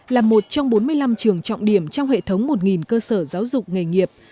là một trong bốn mươi năm trường trọng điểm trong hệ thống một cơ sở giáo dục nghề nghiệp